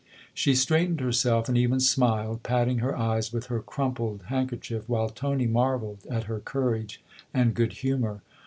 She straightened herself and even smiled, patting her eyes with her crumpled handkerchief, while Tony marvelled at her courage and good humour.